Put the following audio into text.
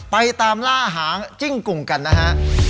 ไปตามล่าหางจิ้งกุ่งกันนะฮะ